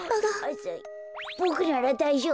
ボクならだいじょうぶ！